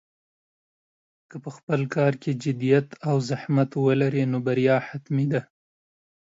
که په خپل کار کې جدیت او زحمت ولرې، نو بریا حتمي ده.